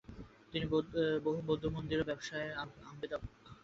তিনি বহু বৌদ্ধ মন্দির এবং বাবসাহেব আম্বেদকের স্মৃতিস্তম্ভ নির্মাণ করেছিলেন।